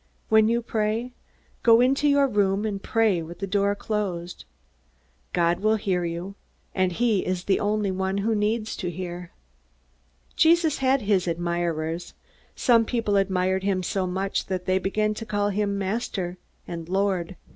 When you pray, go into your own room and pray with the door closed. God will hear you, and he is the only one who needs to hear." Jesus had his admirers. Some people admired him so much that they began to call him "Master" and "Lord."